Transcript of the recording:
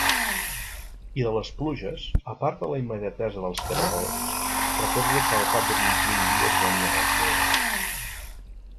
I de les pluges, a part de la immediatesa dels caragols, recordo que al cap de vint-i-un dies venien els bolets.